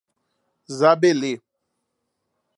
Zabelê